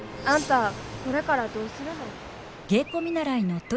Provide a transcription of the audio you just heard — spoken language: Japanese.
あんたこれからどうするの？